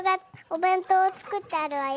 お弁当作ってあるわ。